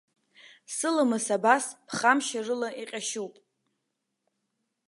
Сыламыс абас ԥхамшьарыла иҟьашьуп.